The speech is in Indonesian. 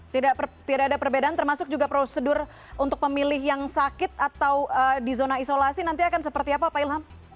tidak ada perbedaan termasuk juga prosedur untuk pemilih yang sakit atau di zona isolasi nanti akan seperti apa pak ilham